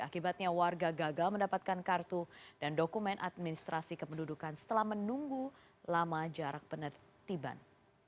akibatnya warga gagal mendapatkan kartu dan dokumen administrasi kependudukan setelah menunggu lama jarak penertiban